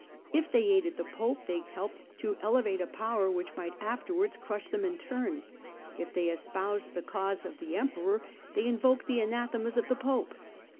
If they aided the Pope they helped to elevate a power which might afterwards crush them in turn ; if they espoused the cause of the THE DEPOSED EMPEROR 247 Emperor they invoked the anathemas of the Pope.